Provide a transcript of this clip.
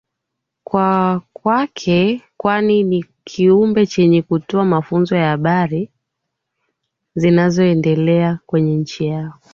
kwa kwake kwani Ni Kiumbe chenye kutoa mafunzo na habari zinazoendelea kwenye nchi yao